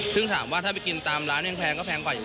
ซึ่งถามว่าถ้ากินตามร้านง่ายง